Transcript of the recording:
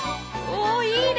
おおいいね！